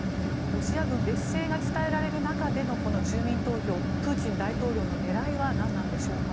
ロシア軍劣勢が伝えられる中での住民投票プーチン大統領の狙いは何なんでしょうか。